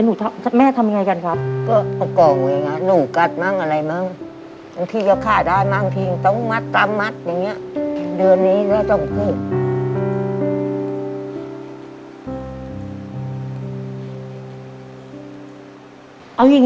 อยากไปขายบอกตามรองเคลาไลน์